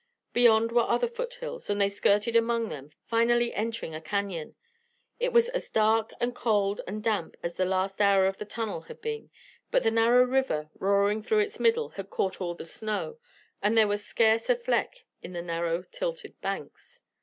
Beyond were other foot hills, and they skirted among them, finally entering a canon. It was as dark and cold and damp as the last hour of the tunnel had been, but the narrow river, roaring through its middle, had caught all the snow, and there was scarce a fleck on the narrow tilted banks.